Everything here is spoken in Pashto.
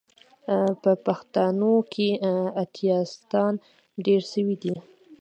په پښتانو کې اتیستان ډیر سوې دي